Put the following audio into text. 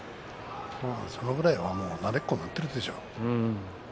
そのぐらいはもう慣れっこになっているでしょう。